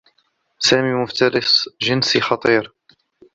سامي مفترس جنسيّ خطير.